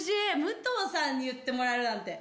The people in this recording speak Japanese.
武藤さんに言ってもらえるなんて。